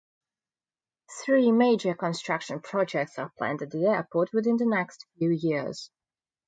Three major construction projects are planned at the airport within the next few years.